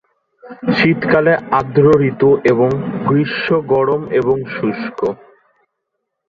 শীতকালে আর্দ্র ঋতু এবং গ্রীষ্ম গরম এবং শুষ্ক।